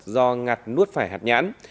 do ngặt nuốt phải hạt nhãn